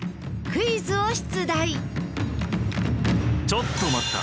クイズを出題。